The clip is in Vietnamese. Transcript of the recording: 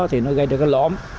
thì nó gây ra cái lõm